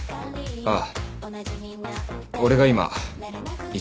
ああ。